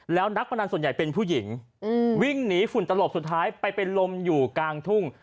แล้วนักพนันส่วนใหญ่เป็นผู้หญิงวิ่งหนีฝุ่นตลบสุดท้ายไปเป็นลมอยู่กลางทุ่ง